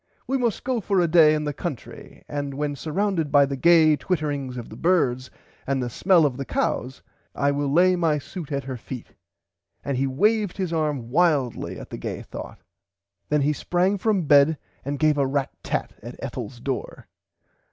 We must go for a day in the country and when surrounded by the gay twittering of the birds and the smell of the cows I will lay my suit at her feet and he waved his arm wildly at the gay thought. Then he sprang from bed and gave a rat tat at Ethels door.